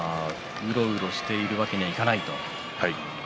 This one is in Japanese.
うろうろしているわけにはいかない。